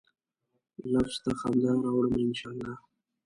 لفظ ته خندا راوړمه ، ان شا الله